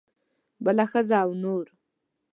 بله ښځه او نور.